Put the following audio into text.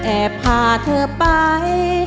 แอบพาเธอไป